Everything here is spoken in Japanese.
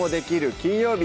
金曜日」